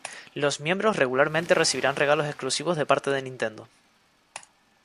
Los miembros regularmente recibían regalos exclusivos de parte de Nintendo.